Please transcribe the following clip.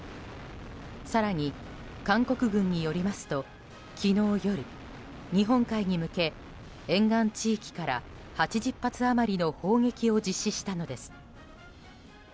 更に韓国軍によりますと昨日夜、日本海に向け沿岸地域から８０発余りの砲撃を実施したのです。